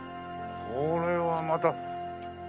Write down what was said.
これはまた。